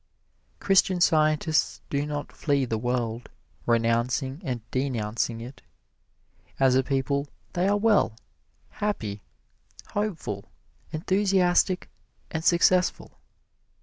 Christian Scientists do not flee the world, renouncing and denouncing it. As a people they are well, happy, hopeful, enthusiastic and successful.